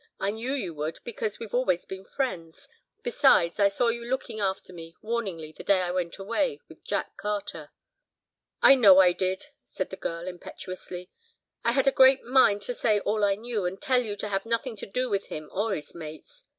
I knew you would because we've always been friends. Besides, I saw you looking after me warningly the day I went away with Jack Carter." "I know I did," said the girl, impetuously. "I had a great mind to say all I knew, and tell you to have nothing to do with him or his mates."